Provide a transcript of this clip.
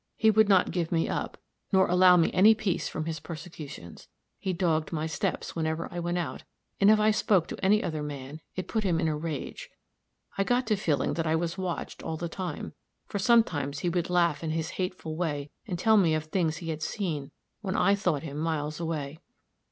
He would not give me up, nor allow me any peace from his persecutions. He dogged my steps whenever I went out, and if I spoke to any other man, it put him in a rage. I got to feeling that I was watched all the time; for sometimes he would laugh in his hateful way, and tell me of things he had seen when I thought him miles away.